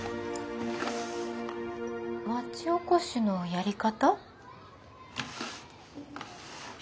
町おこしのやり方？